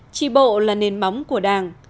trị bộ là nền bóng của đảng